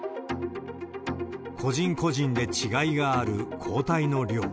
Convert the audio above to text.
個人個人で違いがある抗体の量。